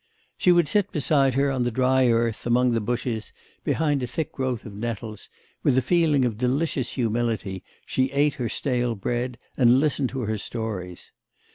She would sit beside her on the dry earth among the bushes behind a thick growth of nettles; with a feeling of delicious humility she ate her stale bread and listened to her stories.